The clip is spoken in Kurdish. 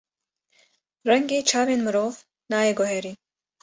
Rengê çavên mirov nayê guherîn.